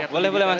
boleh boleh mas